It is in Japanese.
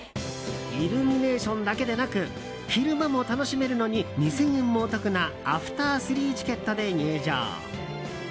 イルミネーションだけでなく昼間も楽しめるのに２０００円もお得なアフター３チケットで入場。